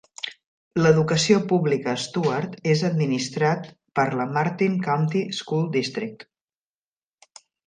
L'educació pública a Stuart és administrat per la Martin County School District.